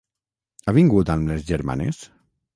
Ha vingut amb les germanes?